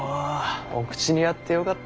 お口に合ってよかった。